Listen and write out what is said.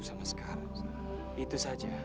sama sekarang itu saja